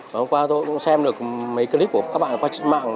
và hôm qua tôi cũng xem được mấy clip của các bạn qua trên mạng